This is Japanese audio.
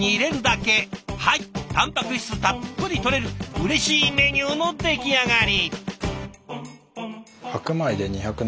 はいたんぱく質たっぷりとれるうれしいメニューの出来上がり！